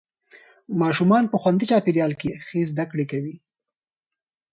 ماشومان په خوندي چاپېریال کې ښه زده کړه کوي